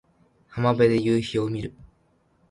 浜辺で夕陽を見る